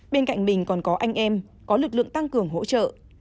bên cạnh mình còn có anh em có lực lượng tăng cường hỗ trợ